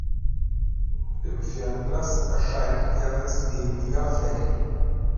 Im Fernglas erscheint er als nebliger Fleck.